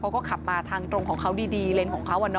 เขาก็ขับมาทางตรงของเขาดีเลนของเขา